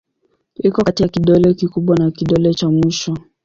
Iko kati ya kidole kikubwa na kidole cha mwisho.